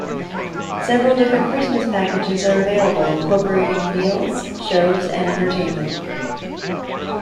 Several different Christmas packages are available, incorporating meals, shows and entertainment.